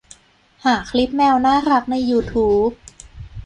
หาคลิปแมวน่ารักในยูทูบ